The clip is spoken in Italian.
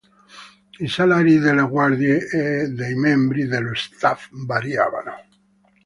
I salari delle guardie e dei membri dello staff variavano.